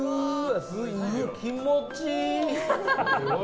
気持ちいい！